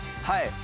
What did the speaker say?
はい！